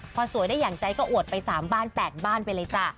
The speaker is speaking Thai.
พอสวยได้อย่างใจก็อวดไป๓บ้าน๘บ้านไปเลยจ้ะ